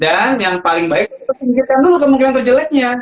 dan yang paling baik kita singgihkan dulu kemungkinan terjeleknya